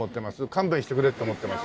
勘弁してくれって思ってます？